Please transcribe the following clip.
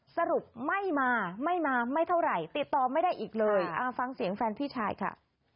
สรุปไม่มาไม่มาไม่เท่าไหร่ติดต่อไม่ได้อีกเลยฟังเสียงแฟนพี่ชายค่ะ